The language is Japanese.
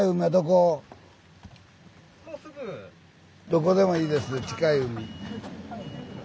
どこでもいいです近い海。